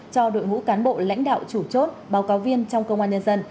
cho đội ngũ cán bộ lãnh đạo chủ chốt báo cáo viên trong công an nhân dân